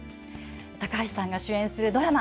高橋さんが主演するドラマ、